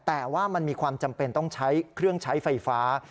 แต่ว่ามันมีความจำเป็นต้องใช้เครื่องใช้ไฟฟ้า